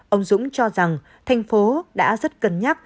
ông dũng cho rằng thành phố đã rất cân nhắc